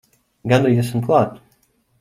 Gandrīz esam klāt!